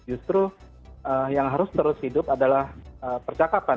justru yang harus terus hidup adalah percakapan